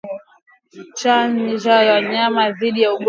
Chanja wanyama dhidi ya ugonjwa huu